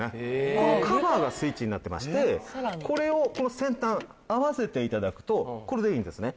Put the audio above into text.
このカバーがスイッチになってましてこれをこの先端合わせて頂くとこれでいいんですね。